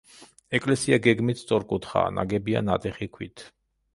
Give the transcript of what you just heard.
ეკლესია გეგმით სწორკუთხაა, ნაგებია ნატეხი ქვით.